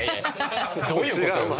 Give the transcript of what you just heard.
どういうことよ？